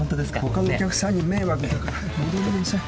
ほかのお客さんに迷惑だから早く戻りなさい。